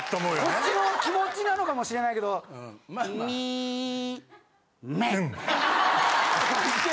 こっちの気持ちなのかもしれないけどミンメンッ。